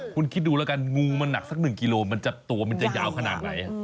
คุณคิดดูแล้วกันงูมันหนักสัก๑กิโลมันจะตัวมันจะยาวขนาดไหน